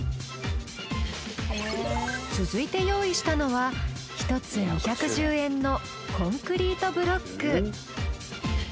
続いて用意したのは１つ２１０円のコンクリートブロック。